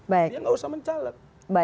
dia gak usah mencaleg